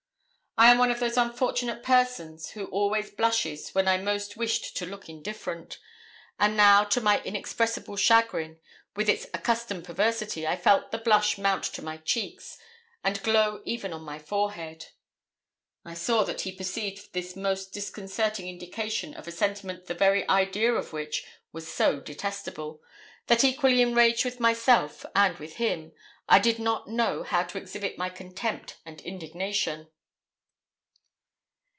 I am one of those unfortunate persons who always blushed when I most wished to look indifferent; and now, to my inexpressible chagrin, with its accustomed perversity, I felt the blush mount to my cheeks, and glow even on my forehead. I saw that he perceived this most disconcerting indication of a sentiment the very idea of which was so detestable, that, equally enraged with myself and with him, I did not know how to exhibit my contempt and indignation.